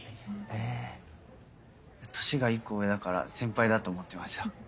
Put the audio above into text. え年が１個上だから先輩だと思ってました。